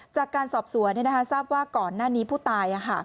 จากการสอบสวนทราบว่าก่อนหน้านี้ผู้ตาย